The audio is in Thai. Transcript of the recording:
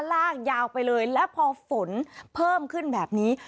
ลากยาวไปเลยและพอฝนเพิ่มขึ้นแบบนี้